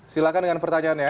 silahkan dengan pertanyaannya